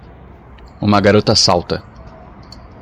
Uma garota salta.